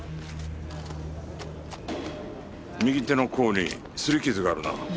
右手の甲に擦り傷があるな。